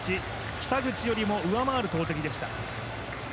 北口よりも上回る投てきでした。